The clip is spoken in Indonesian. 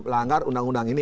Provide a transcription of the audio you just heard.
pelanggar undang undang ini